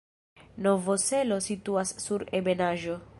Novo Selo situas sur ebenaĵo.